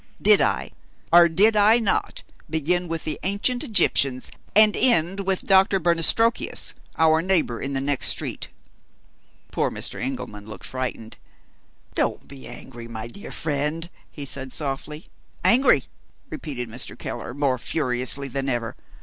Did I, or did I not, begin with the ancient Egyptians, and end with Doctor Bernastrokius, our neighbor in the next street?" Poor Mr. Engelman looked frightened. "Don't be angry, my dear friend," he said softly. "Angry?" repeated Mr. Keller, more furiously than ever.